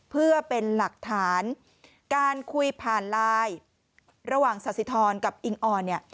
เพื่อเป็นหลักฐานการคุยผ่านไลน์ระหว่างสาธิธรกับอิงออนเนี่ย